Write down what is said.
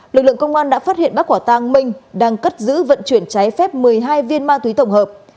lực lượng công an đã phát hiện bắt quả tang minh đang cất giữ vận chuyển trái phép một mươi hai viên ma túy tổng hợp